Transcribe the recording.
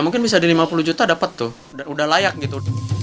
mungkin bisa di lima puluh juta dapat tuh udah layak gitu